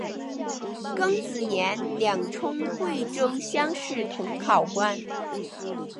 庚子年两充贵州乡试同考官。